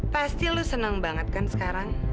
pasti lo seneng banget kan sekarang